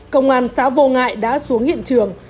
công an xã vô ngại đã xuống hiện trường